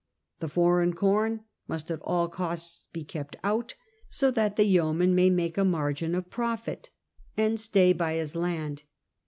The foreign corn must at all costs be kept out, so that the yeoman may make a margin of profit, and stay by his land.